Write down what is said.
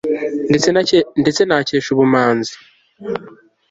ndetse nakesha ubumanzi